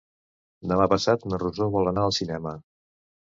Demà passat na Rosó vol anar al cinema.